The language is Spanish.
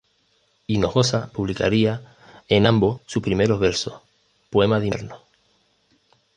Hinojosa publicaría en "Ambos" sus primeros versos, "Poema de Invierno".